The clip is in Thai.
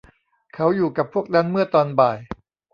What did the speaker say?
เขาอยู่กับพวกนั้นเมื่อตอนบ่าย